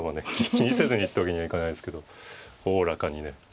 気にせずにってわけにはいかないですけどおおらかにね。